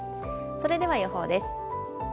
それでは予報です。